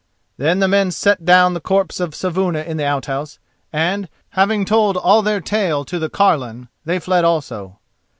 Then the men set down the corpse of Saevuna in the outhouse, and, having told all their tale to the carline, they fled also.